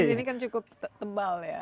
apalagi di sini kan cukup tebal ya